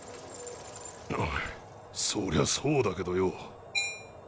おいそりゃそうだけどよ。